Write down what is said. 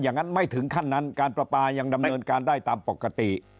อย่างนั้นไม่ถึงขั้นนั้นการประปายังดำเนินการได้ตามปกติ